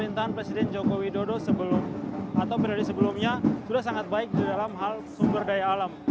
indonesia adalah negara dengan jumlah etnis atau suku bangsa